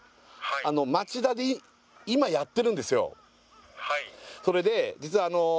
町田で今やってるんですよ